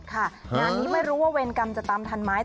งานนี้ไม่รู้ว่าเวรกรรมจะตามทันไหม